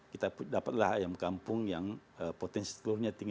kita dapatlah ayam kampung yang potensi telurnya tinggi